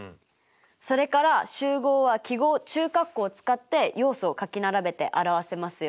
それから集合は記号中括弧を使って要素を書き並べて表せますよ。